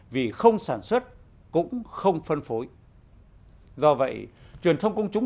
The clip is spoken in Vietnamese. vì không sản xuất cũng không phân phối do vậy truyền thông công chúng